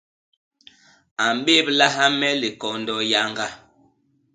A mbéblaha me likondo yañga.